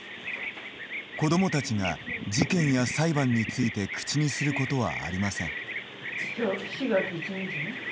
子どもたちが事件や裁判について口にすることはありません。